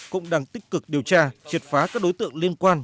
cũng đang tích cực điều tra triệt phá các đối tượng liên quan